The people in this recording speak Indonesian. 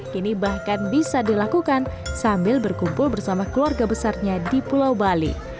kini bahkan bisa dilakukan sambil berkumpul bersama keluarga besarnya di pulau bali